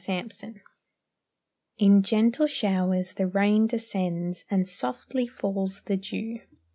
INFLUENCE In gentle showers the rain descends, And softly falls the dew.